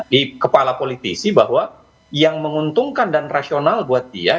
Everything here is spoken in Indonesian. di kepala politisi bahwa yang menguntungkan dan rasional buat dia